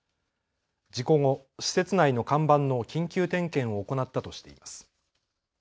事故後、施設内の看板の緊急点検を行ったとしています。